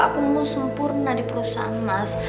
aku mau sempurna di perusahaan mas